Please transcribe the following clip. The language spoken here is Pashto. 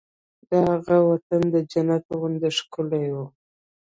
د هغه وطن د جنت غوندې ښکلی و